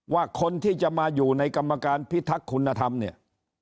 ว่าคนที่จะมาอยู่ในกรรมการพิทักษ์คุณธรรมเนี่ย